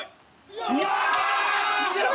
うわ！